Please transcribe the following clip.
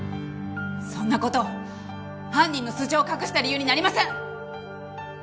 そんな事犯人の素性を隠した理由になりません！